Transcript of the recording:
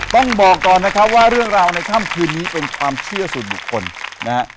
ต้องบอกก่อนนะครับว่าเรื่องราวในค่ำคืนนี้เป็นความเชื่อส่วนบุคคลนะฮะ